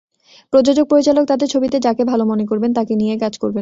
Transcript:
প্রযোজক-পরিচালক তাঁদের ছবিতে যাকে ভালো মনে করবেন, তাঁকে নিয়েই কাজ করবেন।